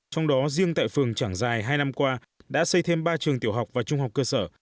trong đó riêng tại phường trảng dài hai năm qua đã xây thêm ba trường tiểu học và trung học cơ sở